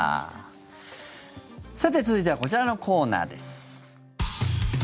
さて、続いてはこちらのコーナーです。